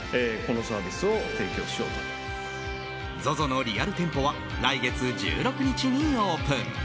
ＺＯＺＯのリアル店舗は来月１６日にオープン。